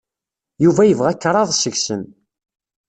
Yuba yebɣa kraḍ seg-sen.